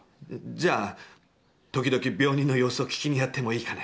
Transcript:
「じゃ、時々病人の様子を聞きに遣ってもいいかね」。